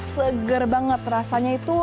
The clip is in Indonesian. seger banget rasanya itu